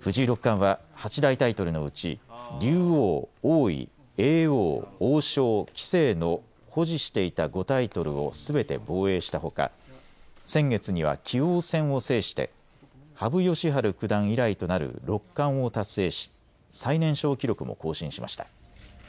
藤井六冠は八大タイトルのうち竜王、王位、叡王、王将、棋聖の保持していた５タイトルをすべて防衛したほか先月には棋王戦を制して羽生善治九段以来となる六冠を達成し最年少記録も更新しました。